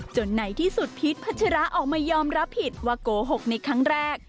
ไหนที่สุดพีชพัชราออกมายอมรับผิดว่าโกหกในครั้งแรก